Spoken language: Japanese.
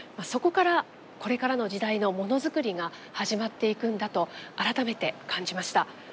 そこからこれからの時代のものづくりが始まっていくんだと改めて感じました。